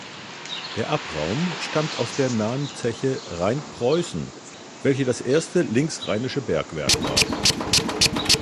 Der Abraum stammt aus der nahen Zeche Rheinpreußen, welche das erste linksrheinische Bergwerk war.